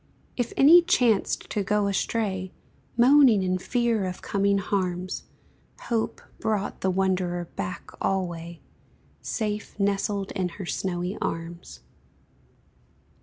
If any chanced to go astray, Moaning in fear of coming harms, Hope brought the wanderer back alway, Safe nestled in her snowy arms.